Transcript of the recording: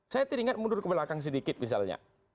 saya teringat mundur ke belakang sedikit misalnya